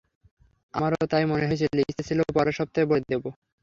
আমারও তাই মনে হয়েছিল, ইচ্ছে ছিল পরের সপ্তাহে বলে দেবো।